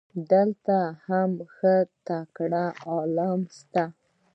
دلته هم ښه تکړه علما سته.